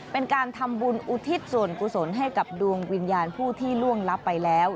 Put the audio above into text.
เป็นการทำบุญอุทิศส่วนกุศลให้กับดวงวิญญาณผู้ที่ล่วงลับไปแล้ว